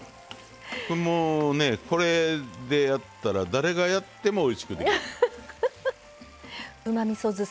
これでやったら誰がやってもおいしくできます。